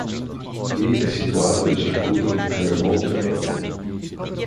Qui è situato il Circuito di Clermont-Ferrand.